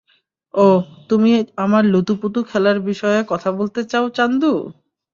ওহ, তুমি আমার লুতুপুতু খেলার বিষয়ে কথা বলতে চাও, চান্দু?